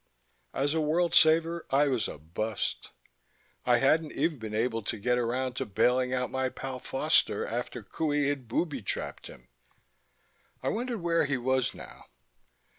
As a world saver I was a bust. I hadn't even been able to get around to bailing out my pal Foster after Qohey had booby trapped him. I wondered where he was now.